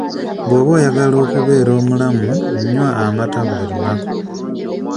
Bwoba oyagala okubeera omulamu nywa amata buli lunaku.